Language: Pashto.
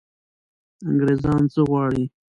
انګرېزان څه غواړي.